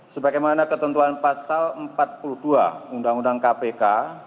sebagaimana ketentuan pasal empat puluh dua undang undang kpk